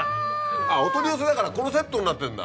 お取り寄せだからこのセットになってんだ。